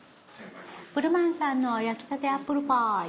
葡瑠満さんの焼きたてアップルパイ。